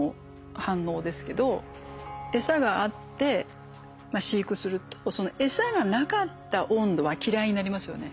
餌があって飼育するとその餌がなかった温度は嫌いになりますよね。